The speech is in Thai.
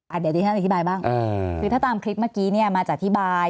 เดี๋ยวที่ฉันอธิบายบ้างคือถ้าตามคลิปเมื่อกี้เนี่ยมาอธิบาย